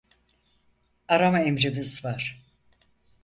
Arama emrimiz var.